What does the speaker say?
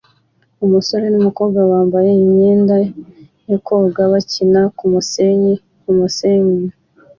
Umusore numukobwa wambaye imyenda yo koga bakina kumusenyi kumusenyi